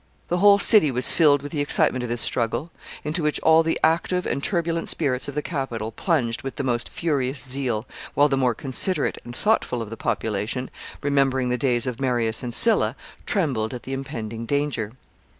The whole city was filled with the excitement of this struggle, into which all the active and turbulent spirits of the capital plunged with the most furious zeal, while the more considerate and thoughtful of the population, remembering the days of Marius and Sylla, trembled at the impending danger.